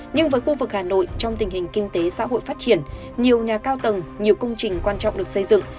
nhưng với khu vực hà nội trong tình hình kinh tế xã hội phát triển nhiều nhà cao tầng nhiều công trình quan trọng được xây dựng